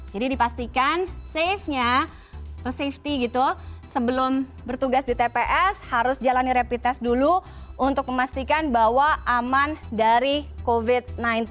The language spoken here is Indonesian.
jadi dipastikan safenya safety gitu sebelum bertugas di tps harus jalani rapi tes dulu untuk memastikan bahwa aman dari covid sembilan belas